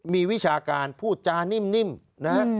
มีวิชาการพูดจานิ่มนะฮะ